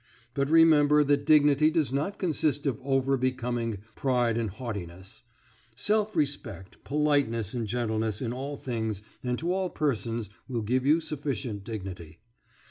But remember that dignity does not consist of over becoming pride and haughtiness; self respect, politeness and gentleness in all things and to all persons will give you sufficient dignity.